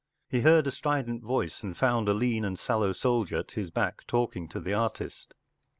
He heard a strident voice, and found a lean and sallow soldier at his back talking to the artist.